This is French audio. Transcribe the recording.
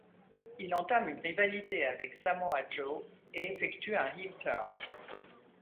Il entame une rivalité avec Samoa Joe et effectue un heel turn.